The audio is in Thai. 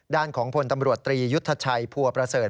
ด้านของพลตำรวจตรียุทธชัยพัวประเสริฐ